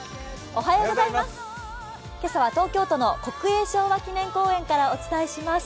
今朝は東京都の国営昭和記念公園からお送りします。